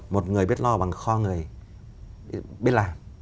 một người biết lo bằng kho người biết làm